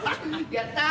やったー。